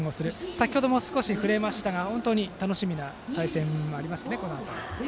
先程も少し触れましたが本当に楽しみな対戦になりますね。